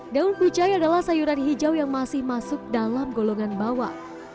daun kucai adalah sayuran hijau yang masih masuk dalam golongan bawah